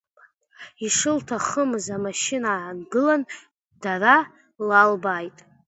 Ишылҭахымз амашьына аангылан, дара лалбааит.